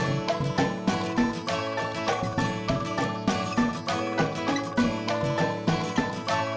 nggak apa apa teh